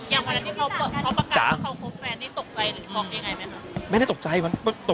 วันนี้เขาประกาศที่เขาพบแฟนตกใจหรือชอบยังไง